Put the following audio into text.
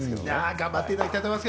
頑張っていただきたいと思います。